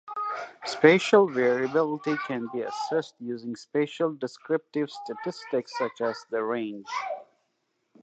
Spatial variability can be assessed using spatial descriptive statistics such as the range.